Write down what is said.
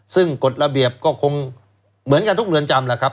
ซึ่งกฎระเบียบก็คงเหมือนกันทุกเรือนจำแหละครับ